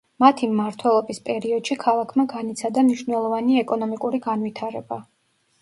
მათი მმართველობის პერიოდში ქალაქმა განიცადა მნიშვნელოვანი ეკონომიკური განვითარება.